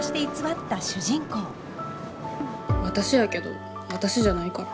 私やけど私じゃないから。